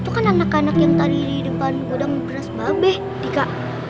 itu kan anak anak yang tadi di depan gudang beras babe dika